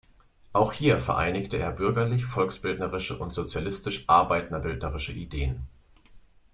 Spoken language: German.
Auch hier vereinigte er bürgerlich-volksbildnerische und sozialistisch-arbeiterbildnerische Ideen.